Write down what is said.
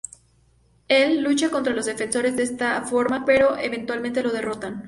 Él lucha contra los Defensores de esta forma, pero eventualmente lo derrotan.